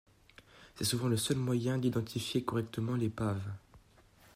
C'est souvent le seul moyen d'identifier correctement l'épave.